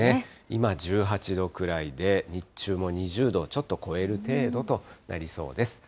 今１８度くらいで、日中も２０度をちょっと超える程度となりそうです。